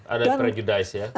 ada prejudice ya